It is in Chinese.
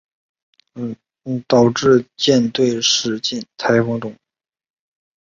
海军讯问法庭发现事件是因为海尔赛误判而导致舰队驶进台风中。